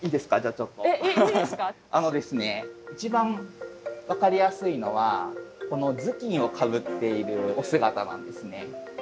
あの一番分かりやすいのはこの頭巾をかぶっているお姿なんですね。